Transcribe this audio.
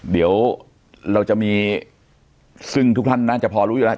เดี๋ยวเราจะมีซึ่งทุกท่านน่าจะพอรู้อยู่แล้ว